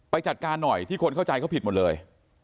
จัดการหน่อยที่คนเข้าใจเขาผิดหมดเลย